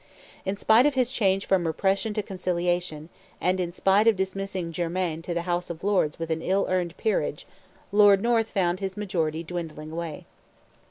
In spite of his change from repression to conciliation, and in spite of dismissing Germain to the House of Lords with an ill earned peerage, Lord North found his majority dwindling away.